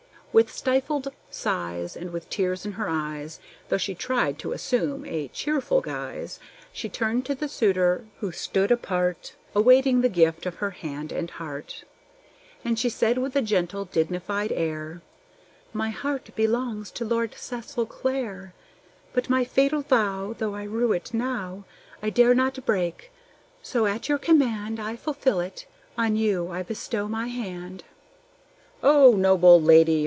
With stifled sighs, and with tears in her eyes, Though she tried to assume a cheerful guise, She turned to the suitor who stood apart, Awaiting the gift of her hand and heart; And she said with a gentle, dignified air: "My heart belongs to Lord Cecil Clare; But my fatal vow, Though I rue it now, I dare not break. So, at your command, I fulfil it! On you I bestow my hand." "O noble lady!"